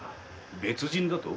別人だと？